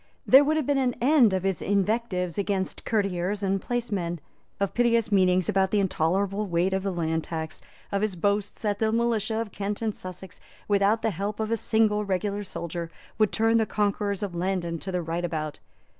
There would have been an end of his invectives against courtiers and placemen, of piteous meanings about the intolerable weight of the land tax, of his boasts that the militia of Kent and Sussex, without the help of a single regular soldier, would turn the conquerors of Landen to the right about.